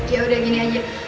ya udah gini aja